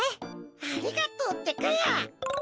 ありがとうってか。